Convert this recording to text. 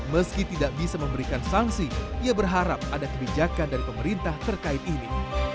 meski tidak bisa memberikan sanksi ia berharap ada kebijakan dari pemerintah terkait ini